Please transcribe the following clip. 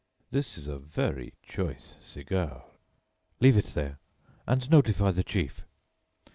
"This is a very choice cigar." "Leave it there, and notify the chief."